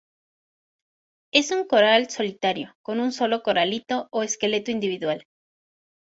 Es un coral solitario, con un solo coralito, o esqueleto individual.